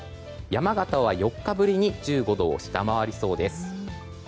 山形は４日ぶりに１５度を下回りそうです。